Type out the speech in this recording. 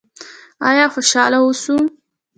آیا خوشحاله اوسو؟